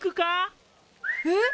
えっ？